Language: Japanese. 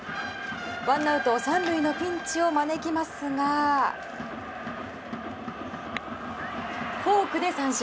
ワンアウト３塁のピンチを招きますがフォークで三振。